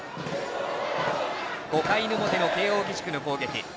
５回の表の慶応義塾の攻撃。